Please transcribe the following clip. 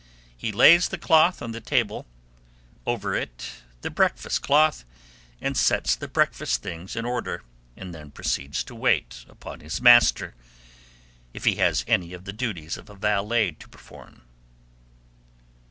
He lays the cloth on the table; over it the breakfast cloth, and sets the breakfast things in order, and then proceeds to wait upon his master, if he has any of the duties of a valet to perform.